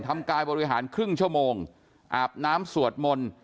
ทำกายบริหารครึ่งชั่วโมงอาบน้ำสวดมนต์